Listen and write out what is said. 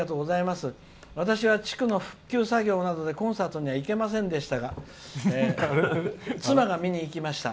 「私は地区の復旧作業などでコンサートには行けませんでしたが妻が見に行きました。